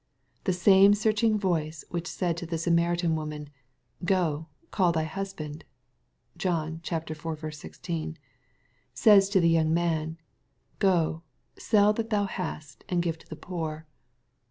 The same search ing voice which said to the Samaritan woman, ^^ Go, call thy husband," (John iv. 16,) says to the young man, *^ Go, sell that thou hast, and give to the poor."